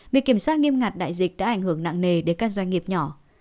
việc kiểm soát nghiêm ngặt đại dịch đã ảnh hưởng nặng nề đến các doanh nghiệp nhỏ